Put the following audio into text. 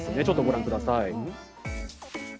ちょっとご覧下さい。